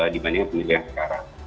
dibandingkan pemilu yang sekarang